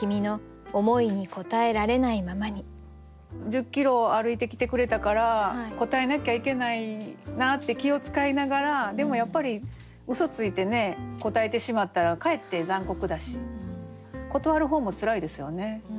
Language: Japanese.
「十キロを歩いてきてくれたから応えなきゃいけないな」って気を遣いながらでもやっぱりうそついて応えてしまったらかえって残酷だし断る方もつらいですよね。